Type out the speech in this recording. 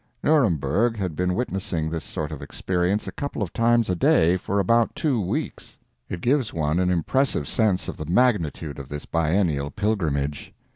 Nuremberg had been witnessing this sort of experience a couple of times a day for about two weeks. It gives one an impressive sense of the magnitude of this biennial pilgrimage.